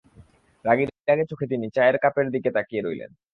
রাগী-রাগী চোখে তিনি চায়ের কাপের দিকে তাকিয়ে রইলেন।